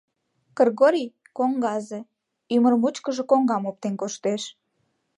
Кыргорий — коҥгазе, ӱмыр мучкыжо коҥгам оптен коштеш.